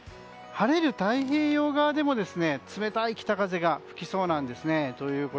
晴れる太平洋側でも冷たい北風が吹きそうです。